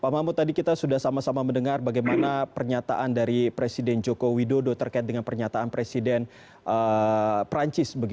pak mahmud tadi kita sudah sama sama mendengar bagaimana pernyataan dari presiden joko widodo terkait dengan pernyataan presiden perancis